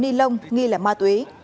nhi lông nghi là ma túy